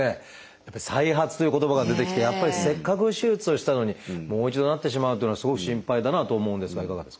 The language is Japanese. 「再発」という言葉が出てきてやっぱりせっかく手術をしたのにもう一度なってしまうというのはすごく心配だなと思うんですがいかがですか？